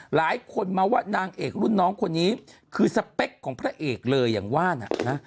หลายคนมาว่านางเอกรุ่นน้องคนนี้คือสเปคของพระเอกเลยอย่างว่านะ